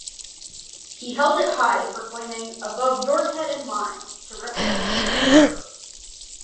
He held it high proclaiming "above your head and mine" to represent the emperor.